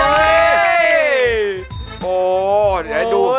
โอ้เดี๋ยวให้ดู